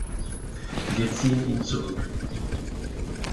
Wir ziehen ihn zurück.